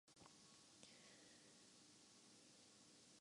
یہ بھی ضائع کر دیں گے۔